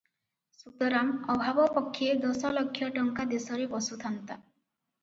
ସୁତରାଂ ଅଭାବ ପକ୍ଷେ ଦଶଲକ୍ଷ ଟଙ୍କା ଦେଶରେ ପଶୁଥାନ୍ତା ।